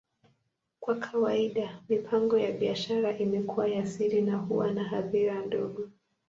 Kwa kawaida, mipango ya biashara imekuwa ya siri na huwa na hadhira ndogo.